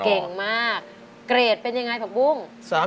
เก่งมากเกรดเป็นยังไงผักบุ้ง